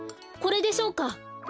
これでしょうか？